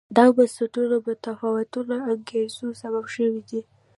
دا بنسټونه د متفاوتو انګېزو سبب شوي دي.